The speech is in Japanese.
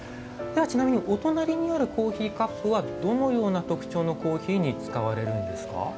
ではちなみにお隣にあるコーヒーカップはどのような特徴のコーヒーに使われるんですか？